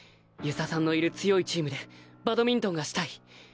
遊佐さんのいる強いチームでバドミントンがしたい。